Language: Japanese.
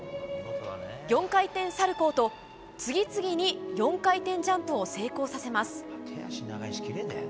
４回転サルコーと、次々に４回転ジャンプを成功させます。